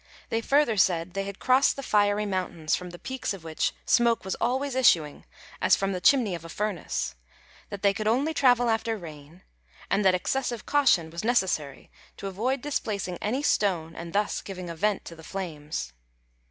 They further said they had crossed the Fiery Mountains, from the peaks of which smoke was always issuing as from the chimney of a furnace; that they could only travel after rain, and that excessive caution was necessary to avoid displacing any stone and thus giving a vent to the flames.